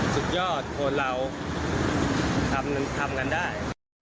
สุดยอดคนเราทำกันได้